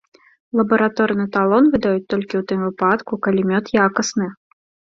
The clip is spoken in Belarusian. Лабараторны талон выдаюць толькі ў тым выпадку, калі мёд якасны.